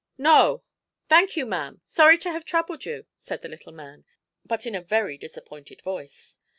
"No." "Thank you, ma'am; sorry to have troubled you," said the little man, but in a very disappointed voice.